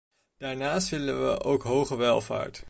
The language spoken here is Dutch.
Daarnaast willen we ook hoge welvaart.